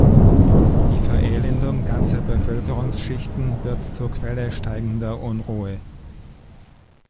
Die Verelendung ganzer Bevölkerungsschichten wird zur Quelle steigender Unruhe.